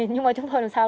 nhưng mà chúng tôi làm sao